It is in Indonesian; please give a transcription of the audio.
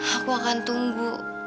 aku akan tunggu